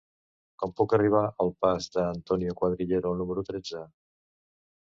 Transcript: Com puc arribar al pas d'Antonio Cuadrillero número tretze?